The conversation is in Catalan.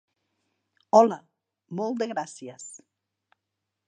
Hola, molt de gràcies!